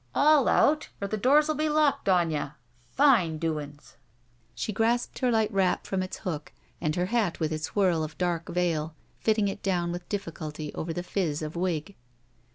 "All out or the doors 11 be locked on ytih! Fine doings!" She grasped her light wrap from its hook, and her hat with its whirl of dark veil, fitting it down with difficulty over the fizz of wig.